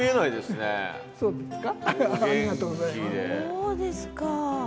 そうですか。